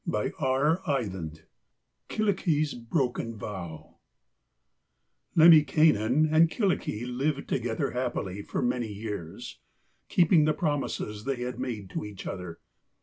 KYLLIKKI'S BROKEN VOW Lemminkainen and Kyllikki lived together happily for many years, keeping the promises they had made to each other.